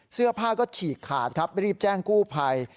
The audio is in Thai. เสื้อผ้าก็ฉีกขาดครับรีบแจ้งกู้ภัย